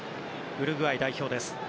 ウルグアイ代表です。